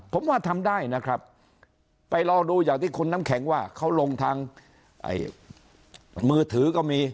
ผมว่าทำได้นะครับไปรอดูอย่างที่คุณน้ำแข็งว่าเขาลงทางมือถือก็มี